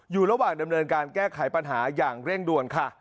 อยู่ระหว่างดำเนินการแก้ไขปัญหาอย่างเร่งด่วนค่ะ